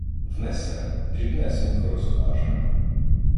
Внесем, дрібнесенько розкажем